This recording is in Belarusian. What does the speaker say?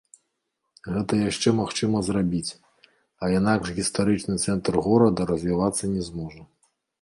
Гэта яшчэ магчыма зрабіць, а інакш гістарычны цэнтр горада развівацца не зможа.